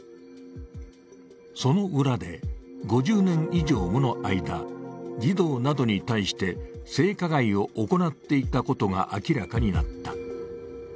その裏で、５０年以上もの間、児童などに対して性加害を行っていたことが明らかになった。